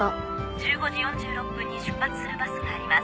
１５時４６分に出発するバスがあります。